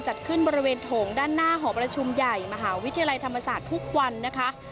จัดขึ้นบริเวณโถงด้านหน้าหอประชุมใหญ่มหาวิทยาลัยธรรมศาสตร์ทุกวันนะคะ